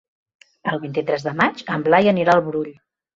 El vint-i-tres de maig en Blai anirà al Brull.